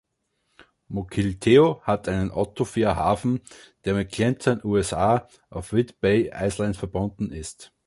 Mukilteo hat einen Autofährhafen, der mit Clinton, USA, auf Whidbey Island verbunden ist.